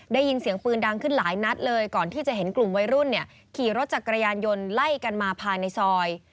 ได้ยินเสียงปืนดังขึ้นหลายนัดเลยก่อนที่จะเห็นกลุ่มวัยรุ่นเนี่ยขี่รถจักรยานยนต์ไล่กันมาภายในซอย